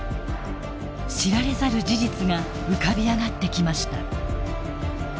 知られざる事実が浮かび上がってきました。